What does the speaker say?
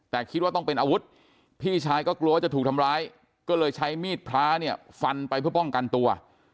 แต่คิดว่าต้องเป็นอาวุธพี่ชายก็กลัวจะถูกทำร้ายก็เลยใช้มีดพระเนี่ยฟันไปเพื่อป้องกันตัว